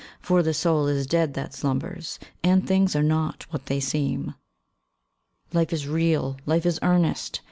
For the soul is dead that slumbers, And things are not what they seem. Life is real! Life is earnest!